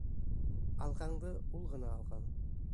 Алҡаңды ул ғына алған!..